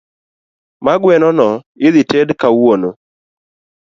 Mano guenono idhi tedi kawuono